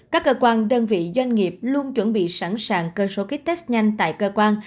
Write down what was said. các cơ quan đơn vị doanh nghiệp luôn chuẩn bị sẵn sàng cơ số ký test nhanh tại cơ quan